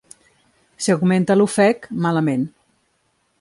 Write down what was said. Si augmenta l’ofec, malament.